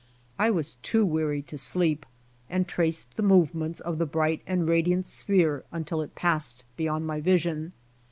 I was too weary to sleep, and traced the movements of the bright and radiant sphere until it passed beyond my vision.